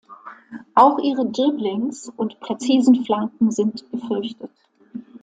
Auch ihre Dribblings und präzisen Flanken sind gefürchtet.